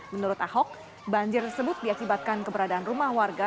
menurut ahok banjir tersebut diakibatkan keberadaan rumah warga